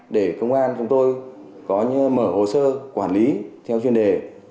để công an của tôi có như mở hồ sơ quản lý theo chuyên đề